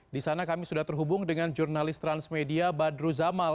di sana kami sudah terhubung dengan jurnalis transmedia badru zamal